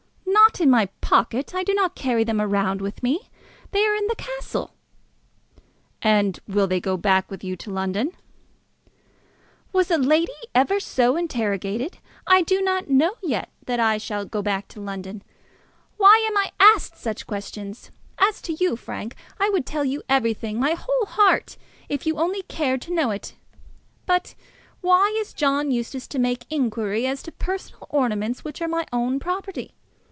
"Not in my pocket. I do not carry them about with me. They are in the castle." "And will they go back with you to London?" "Was ever lady so interrogated? I do not know yet that I shall go back to London. Why am I asked such questions? As to you, Frank, I would tell you everything, my whole heart, if only you cared to know it. But why is John Eustace to make inquiry as to personal ornaments which are my own property?